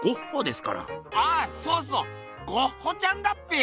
ああそうそうゴッホちゃんだっぺよ。